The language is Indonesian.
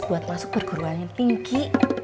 buat masuk perguruan yang tinggi